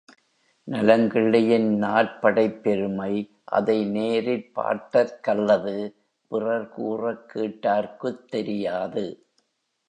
நலங்கிள்ளியின் நாற்படைப் பெருமை அதை நேரிற் பார்த்தார்க்கல்லது, பிறர் கூறக் கேட்டார்க்குத் தெரியாது.